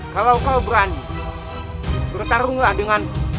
kalau kau berani bertarunglah dengan